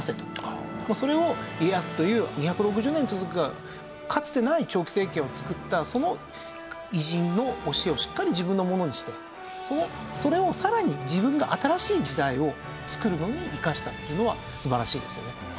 それを家康という２６０年続くかつてない長期政権を作ったその偉人の教えをしっかり自分のものにしてそれをさらに自分が新しい時代を作るのに生かしたっていうのは素晴らしいですよね。